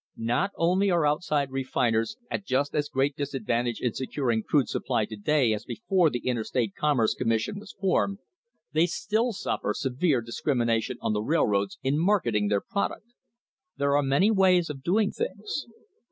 Not only are outside refiners at just as great disadvantage in securing crude supply to day as before the Interstate Com merce Commission was formed; they still suffer severe dis crimination on the railroads in marketing their product. There are many ways of doing things.